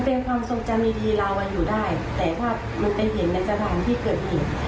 เป็นความทรงจำดีเราอยู่ได้แต่ว่ามันเป็นเหตุในสถานที่เกิดเหตุ